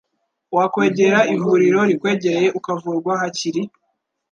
wakwegera ivuriro rikwegereye ukavurwa hakiri.